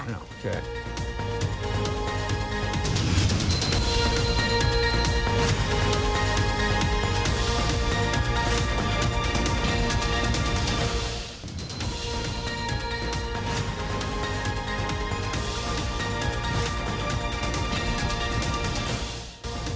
โอเค